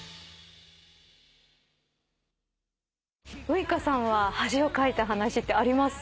ウイカさんは恥をかいた話ってあります？